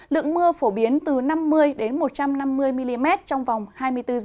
lượng mưa phổ biến từ năm mươi một trăm năm mươi mm trong vòng hai mươi bốn h